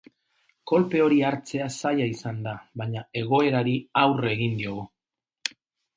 Kolpe hori hartzea zaila izan da, baina egoerari aurre egin diogu.